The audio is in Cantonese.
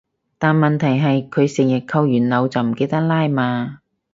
但問題係佢成日扣完鈕就唔記得拉嘛